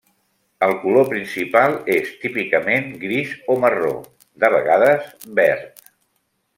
El color principal és típicament gris o marró, de vegades verd.